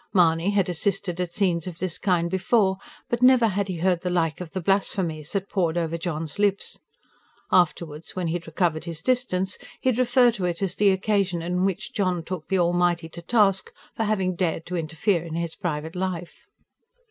Mahony had assisted at scenes of this kind before, but never had he heard the like of the blasphemies that poured over John's lips. (Afterwards, when he had recovered his distance, he would refer to it as the occasion on which John took the Almighty to task, for having dared to interfere in his private life.)